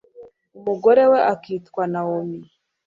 umugore we akitwa nawomi